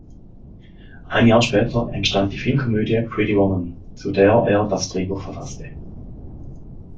Ein Jahr später entstand die Filmkomödie "Pretty Woman", zu der er das Drehbuch verfasste.